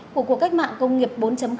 của cuộc cách mạng công nghiệp bốn